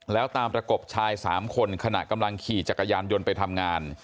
แล้วตามประกบชาย๓คนขณะกำลังขี่จักรยานยนต์ไปทำงาน